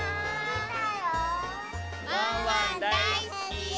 ワンワンだいすき！